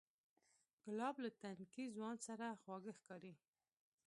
ګلاب له تنکي ځوان سره خواږه ښکاري.